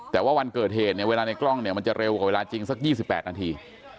แต่ว่าวันเกิดเหตุเนี่ยเวลาในกล้องเนี่ยมันจะเร็วกว่าเวลาจริงสัก๒๘นาที